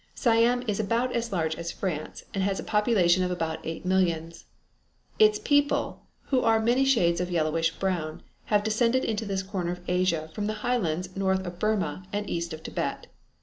Siam is about as large as France, and has a population of about eight millions. Its people, who are of many shades of yellowish brown, have descended into this corner of Asia from the highlands north of Burma and east of Tibet.